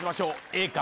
Ａか？